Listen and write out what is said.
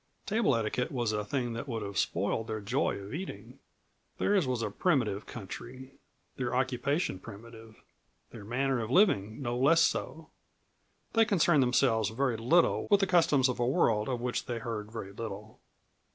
Table etiquette was a thing that would have spoiled their joy of eating. Theirs was a primitive country; their occupation primitive; their manner of living no less so. They concerned themselves very little with the customs of a world of which they heard very little.